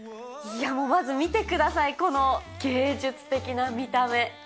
いやもうまず見てください、この芸術的な見た目。